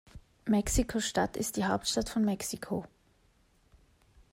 Mexiko-Stadt ist die Hauptstadt von Mexiko.